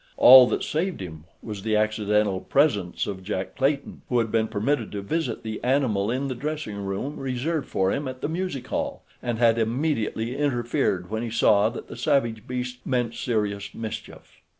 All that saved him was the accidental presence of Jack Clayton, who had been permitted to visit the animal in the dressing room reserved for him at the music hall, and had immediately interfered when he saw that the savage beast meant serious mischief.